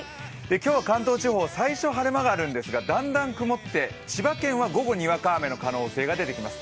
今日は関東地方、最初は晴れ間があるんですがだんだん曇って千葉県は午後、にわか雨の可能性が出てきます。